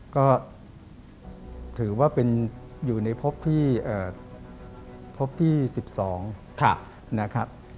ก็ถือว่าเป็นอยู่ในพบที่พบที่๑๒นะครับ